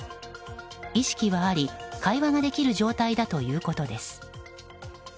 意識はあり、会話ができる状態だということです。